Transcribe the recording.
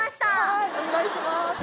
はいお願いします。